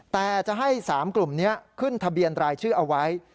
แต่จะให้๓กลุ่มนี้ขึ้นทะเบียนรายชื่อเอาไว้